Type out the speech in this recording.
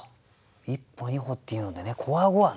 「一歩二歩」っていうのでねこわごわね。